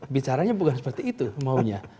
bicaranya bukan seperti itu maunya